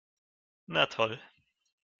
Na toll!